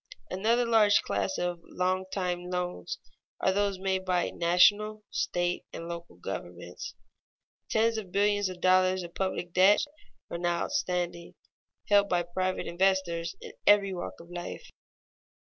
Another large class of long time loans are those made by national, state, and local governments. Tens of billions of dollars of public debts are now outstanding, held by private investors in every walk of life.